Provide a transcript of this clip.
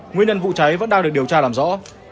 nguyên nhân vụ cháy vẫn đang được điều tra làm rõ